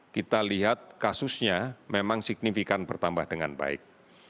kita lihat kasusnya memang signifikan bertambah dengan baik